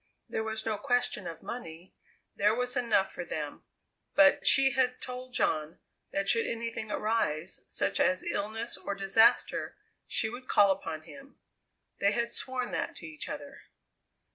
There was no question of money: there was enough for them, but she had told John that should anything arise, such as illness or disaster, she would call upon him. They had sworn that to each other.